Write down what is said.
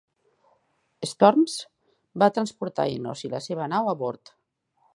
"Stormes" va transportar Enos i la seva nau a bord.